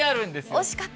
惜しかった。